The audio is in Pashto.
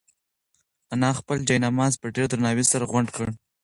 انا خپل جاینماز په ډېر درناوي سره غونډ کړ.